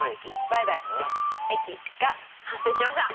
売買益が発生しました。